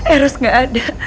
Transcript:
eros gak ada